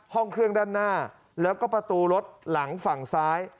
ห้องเครื่องด้านหน้าแล้วก็ประตูรถหลังฝั่งซ้าย